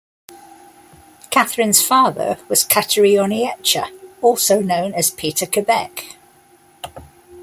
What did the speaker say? Catherine's father was "Katarioniecha," also known as Peter Quebec.